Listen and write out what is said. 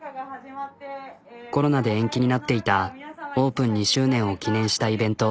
コロナで延期になっていたオープン２周年を記念したイベント。